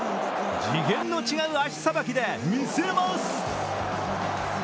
次元の違う足さばきで見せます！